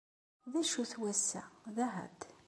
D acu-t wass-a? D ahad.